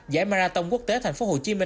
giải marathon quốc tế tp hcm